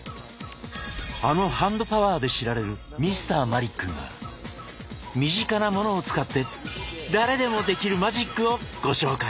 あのハンドパワーで知られるＭｒ．マリックが身近なものを使って誰でもできるマジックをご紹介。